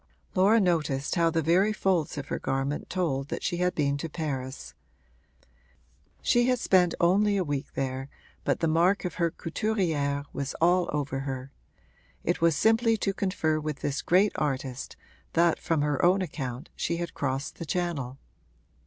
Laura noticed how the very folds of her garment told that she had been to Paris; she had spent only a week there but the mark of her couturière was all over her: it was simply to confer with this great artist that, from her own account, she had crossed the Channel.